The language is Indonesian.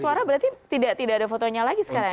suara berarti tidak ada fotonya lagi sekarang ya